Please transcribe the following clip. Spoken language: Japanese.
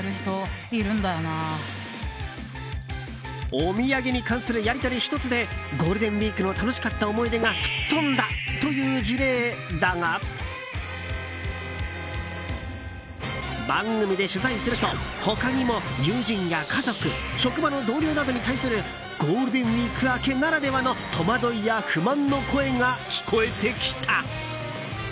お土産に関するやり取り１つでゴールデンウィークの楽しかった思い出が吹っ飛んだという事例だが番組で取材すると他にも友人や家族職場の同僚などに対するゴールデンウィーク明けならではの戸惑いや不満の声が聞こえてきた。